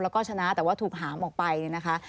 แล้วก็ชนะแต่ว่าถูกหามออกไปเนี่ยนะคะ